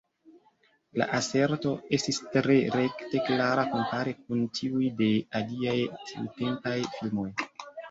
La aserto estis tre rekte klara kompare kun tiuj de aliaj tiutempaj filmoj.